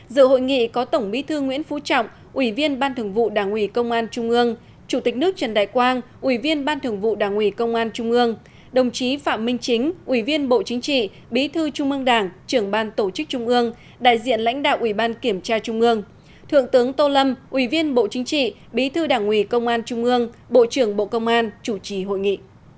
dự hội nghị có tổng bí thư nguyễn phú trọng ủy viên ban thường vụ đảng ủy công an trung ương chủ tịch nước trần đại quang ủy viên ban thường vụ đảng ủy công an trung ương đồng chí phạm minh chính ủy viên bộ chính trị bí thư trung mương đảng trưởng ban tổ chức trung ương đại diện lãnh đạo ủy ban kiểm tra trung ương thượng tướng tô lâm ủy viên bộ chính trị bí thư đảng ủy công an trung ương bộ trưởng bộ công an chủ trì hội nghị